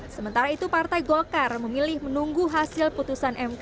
sementara itu partai golkar memilih menunggu hasil putusan mk